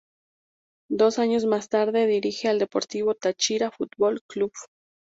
Dos años más tarde dirige al Deportivo Táchira Fútbol Club.